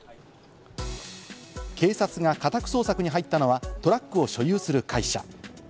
警察が家宅捜索に入ったのはトラックを所有する会社。